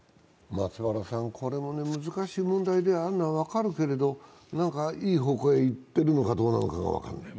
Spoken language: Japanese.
これも難しい問題であるのは分かるけれども、何かいい方向へいっているのかどうかが分からない。